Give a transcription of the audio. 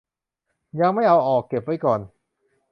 ยังไม่เอาออก เก็บไว้ก่อน